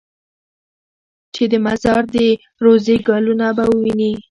چې د مزار د روضې ګلونه به ووینې.